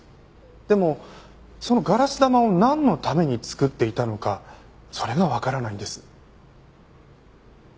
でもそのガラス玉をなんのために作っていたのかそれがわからないんです。